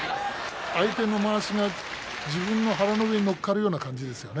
相手のまわしが自分の腹の上に乗っかるような感じですよね。